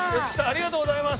ありがとうございます。